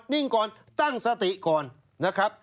นิ่งก่อนตั้งสติก่อนนะครับ